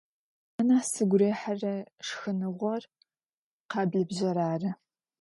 Анахь сыгу рехьырэ шхыныгъор къэбыбзэр ары